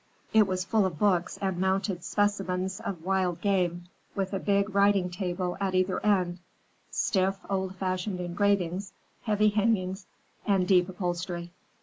It was full of books and mounted specimens of wild game, with a big writing table at either end, stiff, old fashioned engravings, heavy hangings and deep upholstery.